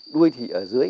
đuôi thì ở dưới